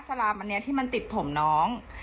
ลามอันนี้ที่มันติดผมน้อง